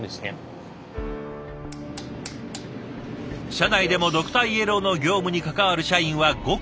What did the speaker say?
社内でもドクターイエローの業務に関わる社員はごく僅か。